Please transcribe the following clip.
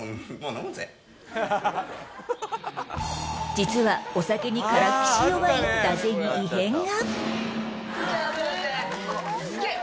実はお酒にからっきし弱い、だぜに異変が。